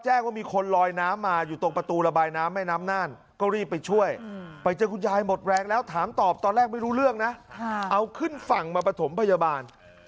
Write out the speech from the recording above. เจ้าหน้าที่ผ่าส่งโรงพยาบาล๑๘